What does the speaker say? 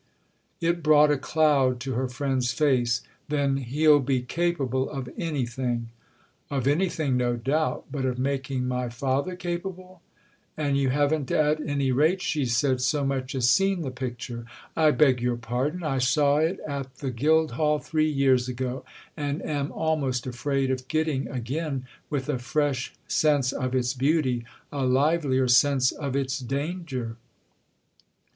'" It brought a cloud to her friend's face. "Then he'll be capable of anything." "Of anything, no doubt, but of making my father capable—! And you haven't at any rate," she said, "so much as seen the picture." "I beg your pardon—I saw it at the Guildhall three years ago; and am almost afraid of getting again, with a fresh sense of its beauty, a livelier sense of its danger."